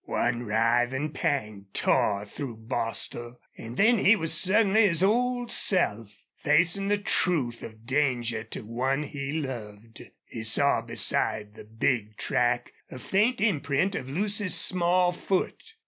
One riving pang tore through Bostil and then he was suddenly his old self, facing the truth of danger to one he loved. He saw beside the big track a faint imprint of Lucy's small foot.